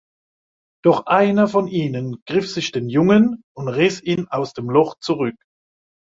Doch einer von ihnen griff sich den Jungen und riss ihn aus dem Loch zurück.